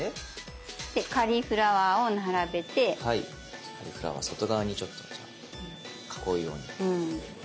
じゃカリフラワー外側にちょっと囲うように。